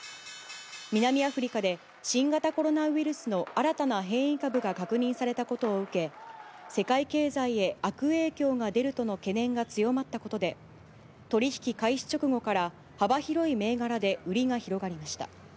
南アフリカで新型コロナウイルスの新たな変異株が確認されたことを受け、世界経済へ悪影響が出るとの懸念が強まったことで、取り引き開始直後から、幅広い銘柄で売りが広がりました。